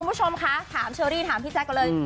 คุณผู้ชมคะถามเชอรี่ถามพี่แจ๊คก่อนเลย